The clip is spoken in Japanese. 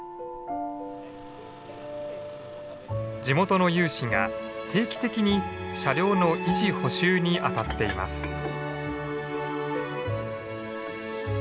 地元の有志が定期的に車両の維持補修にあたっています。